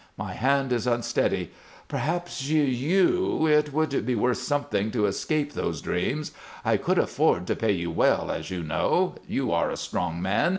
My hand is unsteady. Perhaps you It would be worth something to escape those dreams! I could afford to pay well, as you know. You are a strong man.